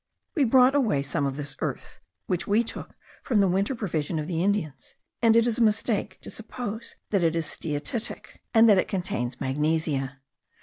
We brought away some of this earth, which we took from the winter provision of the Indians; and it is a mistake to suppose that it is steatitic, and that it contains magnesia.